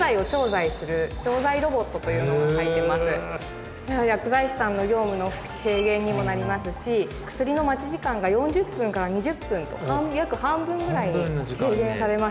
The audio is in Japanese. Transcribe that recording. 薬剤部には薬剤師さんの業務の軽減にもなりますし薬の待ち時間が４０分から２０分と約半分ぐらい軽減されました。